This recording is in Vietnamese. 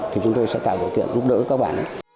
thì chúng tôi sẽ tạo điều kiện giúp đỡ các bạn